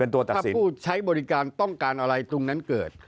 ถ้าผู้ใช้บริการต้องการอะไรตรงนั้นเกิด